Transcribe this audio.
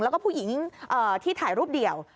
แล้วก็ผู้หญิงที่ถ่ายรูปเดี่ยว